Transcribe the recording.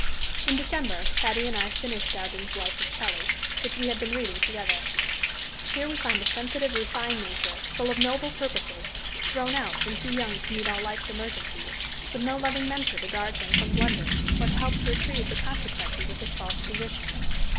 In December Hattie and I finished Dowden's "Life of Shelley," which we had been reading together. Here we find a sensitive, refined nature, full of noble purposes, thrown out when too young to meet all life's emergencies, with no loving Mentor to guard him from blunders or to help to retrieve the consequences of his false positions.